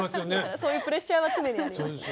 そういうプレッシャーは常にあります。